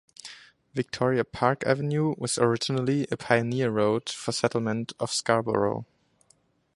Victoria Park Avenue was originally a pioneer road for settlement of Scarborough.